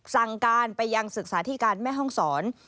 สั่งการไปยังศึกษาที่การแม่ห้องศร